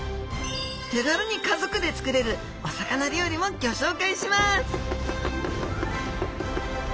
手軽に家族で作れるお魚料理もギョ紹介します！